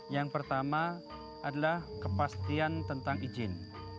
yang pertama adalah kepastian tentang izin